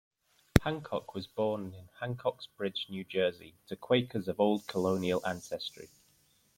Hancock was born in Hancock's Bridge, New Jersey, to Quakers of old colonial ancestry.